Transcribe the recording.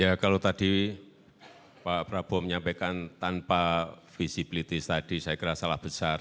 ya kalau tadi pak prabowo menyampaikan tanpa visibility study saya kira salah besar